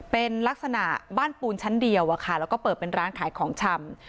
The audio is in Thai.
เป็นลักษณะบ้านปูนชั้นเดียวแล้วก็เปิดเป็นร้านขายของชำ